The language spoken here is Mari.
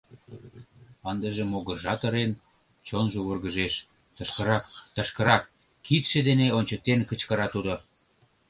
Ындыже могыржат ырен, чонжо вургыжеш, «Тышкырак, тышкырак», — кидше дене ончыктен кычкыра тудо.